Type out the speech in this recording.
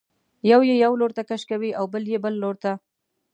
یو یې یو لورته کش کوي او بل یې بل لورته.